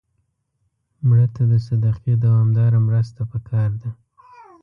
مړه ته د صدقې دوامداره مرسته پکار ده